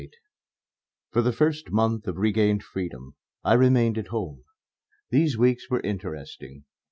XXVIII For the first month of regained freedom I remained at home. These weeks were interesting.